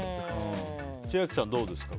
千秋さん、どうですか？